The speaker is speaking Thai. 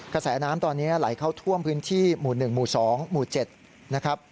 กระแสน้ำตอนนี้ไหลเข้าท่วมพื้นที่หมู่๑หมู่๒หมู่๗นะครับ